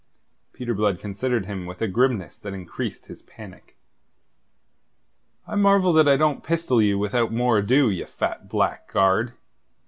Peter Blood considered him with a grimness that increased his panic. "I marvel that I don't pistol you without more ado, ye fat blackguard.